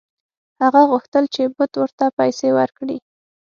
هغه غوښتل چې بت ورته پیسې ورکړي.